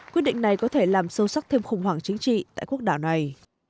quyết định này có thể làm sâu sắc thêm khủng hoảng chính trị tại quốc đảo này